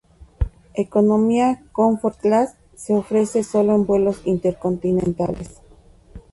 Economía Comfort Class se ofrece sólo en vuelos intercontinentales.